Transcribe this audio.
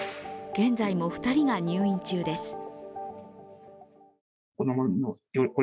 現在も２人が入院中です。